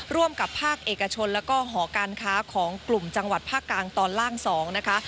ร่วมกับภาคเอกชนแล้วก็หอการค้าของกลุ่มจังหวัดภาคกลางตอนล่าง๒นะคะ